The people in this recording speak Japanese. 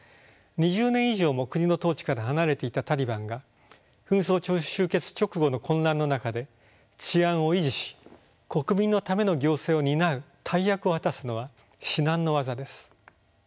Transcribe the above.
２０年以上も国の統治から離れていたタリバンが紛争終結直後の混乱の中で治安を維持し国民のための行政を担う大役を果たすのは至難の業です。